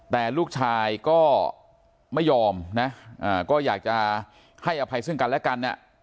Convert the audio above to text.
แต่ลูกชายก็ไม่ยอมนะก็อยากจะให้อภัยซึ่งกันและกัน